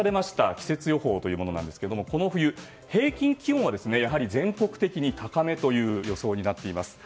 季節予報というものですがこの冬、平均気温はやはり、全国的に高めという予想になっています。